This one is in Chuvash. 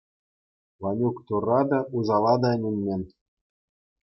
Ванюк Турра та, усала та ӗненмен.